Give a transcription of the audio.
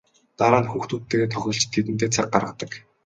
Дараа нь хүүхдүүдтэйгээ тоглож тэдэндээ цаг гаргадаг.